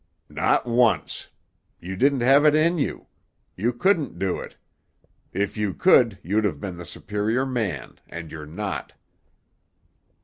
"Not once. You didn't have it in you. You couldn't do it. If you could you'd have been the superior man, and you're not."